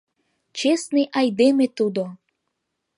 Честный айдеме тудо.